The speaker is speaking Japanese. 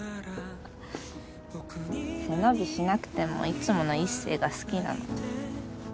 背伸びしなくてもいつもの一星が好きなのに。